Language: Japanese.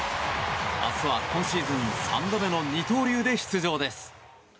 明日は今シーズン３度目の二刀流で出場です。